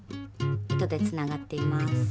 糸でつながっています。